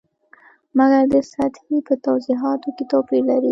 مګر د سطحې په توضیحاتو کې توپیر لري.